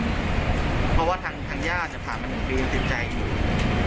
เพราะว่าทางญาติจะผ่านมา๑ปียังติดใจอยู่